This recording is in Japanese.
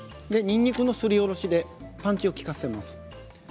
にんにくのすりおろしでパンチを利かせます。